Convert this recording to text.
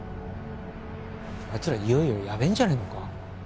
あいつらいよいよやべえんじゃねえのか？